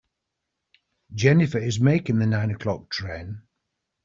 Jennifer is making the nine o'clock train.